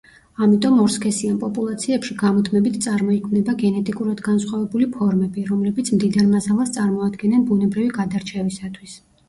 ამიტომ ორსქესიან პოპულაციებში გამუდმებით წარმოიქმნება გენეტიკურად განსხვავებული ფორმები, რომლებიც მდიდარ მასალას წარმოადგენენ ბუნებრივი გადარჩევისათვის.